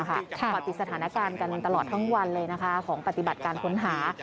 ติดสถานการณ์กันตลอดทั้งวันเลยของปฏิบัติการค้นหา